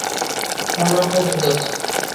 হ্যাঁ আমরা আপনাকে শুনতে পাচ্ছি।